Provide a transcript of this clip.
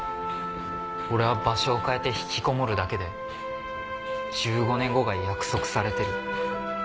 俺は場所を変えて引きこもるだけで１５年後が約束されてる。